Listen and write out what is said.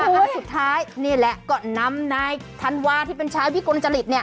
แล้วสุดท้ายนี่แหละก็นำนายธันวาที่เป็นชายวิกลจริตเนี่ย